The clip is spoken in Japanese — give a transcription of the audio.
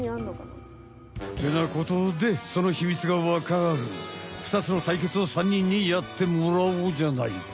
てなことでそのひみつが分かるふたつの対決を３にんにやってもらおうじゃないか！